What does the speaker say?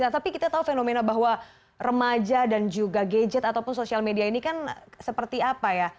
tapi kita tahu fenomena bahwa remaja dan juga gadget ataupun sosial media ini kan seperti apa ya